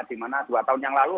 dimana dua tahun yang lalu